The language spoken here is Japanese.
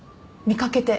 見掛けて。